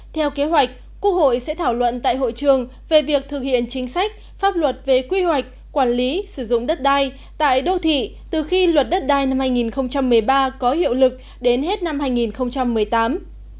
theo kế hoạch quốc hội sẽ thảo luận tại hội trường về việc thực hiện chính sách pháp luật về quy hoạch quản lý sử dụng đất đai tại đô thị từ khi luật đất đai năm hai nghìn một mươi ba có hiệu lực đến hết năm hai nghìn một mươi tám